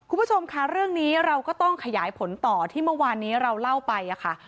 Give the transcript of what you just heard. คุณผู้ชมค่ะเรื่องนี้เราก็ต้องขยายผลต่อที่เมื่อวานนี้เราเล่าไปค่ะ